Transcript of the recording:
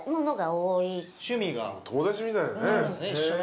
友達みたいなね。